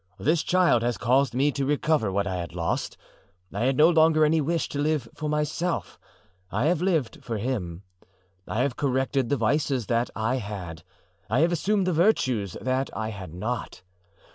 This child has caused me to recover what I had lost. I had no longer any wish to live for myself, I have lived for him. I have corrected the vices that I had; I have assumed the virtues that I had not.